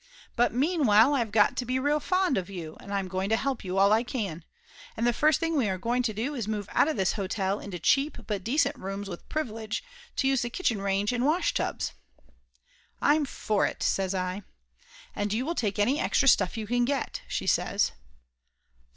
But meanwhile I've got to be real fond of you, and I'm going to help you all I can! And the first thing we are going to do is move out of this hotel into cheap but decent rooms with privilege to use the kitchen range and washtubs." "I'm for it!" says I. "And you will take any extra stuff you can get," she says.